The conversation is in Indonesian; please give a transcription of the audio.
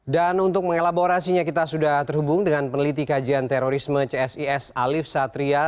dan untuk mengelaborasinya kita sudah terhubung dengan peneliti kajian terorisme csis alif satria